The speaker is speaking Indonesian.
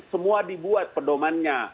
semua dibuat perdomannya